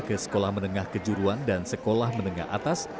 ke sekolah menengah kejuruan dan sekolah menengah atas